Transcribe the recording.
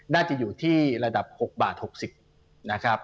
น่าจะอยู่ที่ระดับ๖บาท๖๐นะครับ